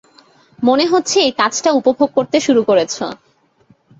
মনে হচ্ছে এই কাজটা উপভোগ করতে শুরু করেছো।